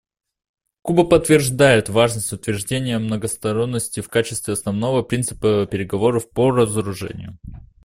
Куба подтверждает важность утверждения многосторонности в качестве основного принципа переговоров по разоружению.